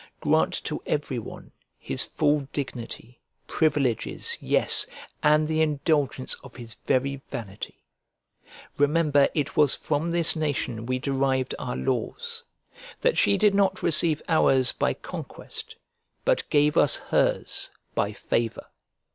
Grant to every one his full dignity, privileges, yes, and the indulgence of his very vanity. Remember it was from this nation we derived our laws; that she did not receive ours by conquest, but gave us hers by favour.